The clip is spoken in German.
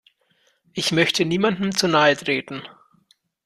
Ich möchte niemandem zu nahe treten.